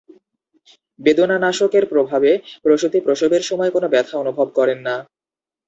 বেদনানাশকের প্রভাবে প্রসূতি প্রসবের সময় কোনো ব্যথা অনুভব করেন না।